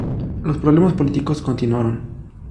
Los problemas políticos continuaron.